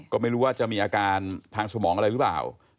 ก็ไม่รู้ว่าจะมีอาการทางสมองอะไรหรือเปล่า